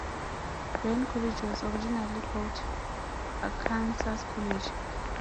Lyon College was originally called Arkansas College.